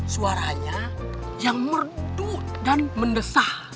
suaranya yang merdu dan mendesak